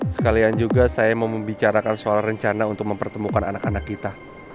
sekalian juga saya mau membicarakan soal rencana untuk mempertemukan anak anak kita